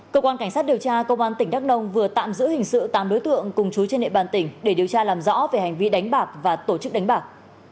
cơ quan cảnh sát điều tra công an tỉnh đắk nông vừa tạm giữ hình sự tám đối tượng cùng chú trên địa bàn tỉnh để điều tra làm rõ về hành vi đánh bạc và tổ chức đánh bạc